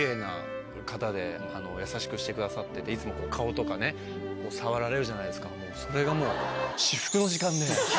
優しくしてくださってていつも顔とかね触られるじゃないですかそれがもう。